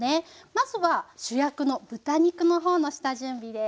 まずは主役の豚肉の方の下準備です。